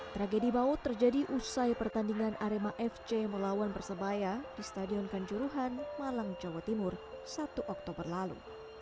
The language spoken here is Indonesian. tragedi baut terjadi usai pertandingan arema fc melawan persebaya di stadion kanjuruhan malang jawa timur satu oktober lalu